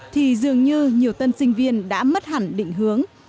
thì dường như nhiều tân sinh viên đã mất hẳn định hướng